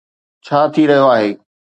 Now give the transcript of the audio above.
ڇا ٿي رهيو آهي.